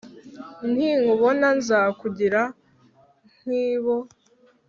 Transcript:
ninkubona nzakugira nk'bo